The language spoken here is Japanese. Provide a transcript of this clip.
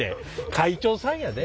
会長さんやで。